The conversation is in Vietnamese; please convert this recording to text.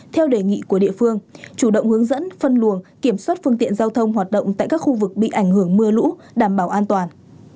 theo đề nghị của địa phương chủ động hướng dẫn phân luồng kiểm soát phương tiện giao thông hoạt động tại các khu vực bị ảnh hưởng mưa lũ đảm bảo an toàn